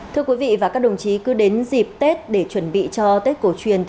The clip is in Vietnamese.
thưa quý vị và các đồng chí cứ đến dịp tết để chuẩn bị cho tết cổ truyền